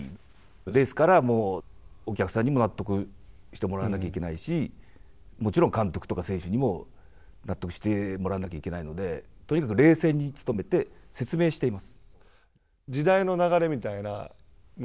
ですから、お客さんにも納得してもらわなきゃいけないしもちろん監督とか選手にも納得してもらわなきゃいけないのでとにかく冷静に努めて説明しています。